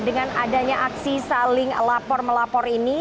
dengan adanya aksi saling lapor melapor ini